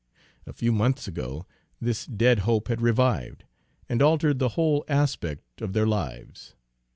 A few months ago this dead hope had revived, and altered the whole aspect of their lives.